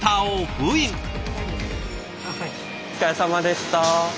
お疲れさまでした。